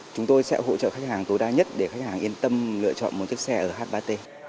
chúng tôi sẽ hỗ trợ khách hàng tối đa nhất để khách hàng yên tâm lựa chọn một chiếc xe ở h ba t